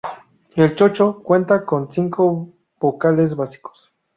El chocho cuenta con cinco vocales básicos.